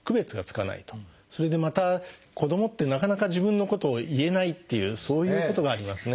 それでまた子どもってなかなか自分のことを言えないっていうそういうことがありますね。